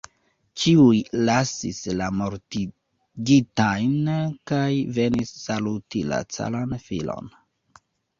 Ĉiuj lasis la mortigitajn kaj venis saluti la caran filon.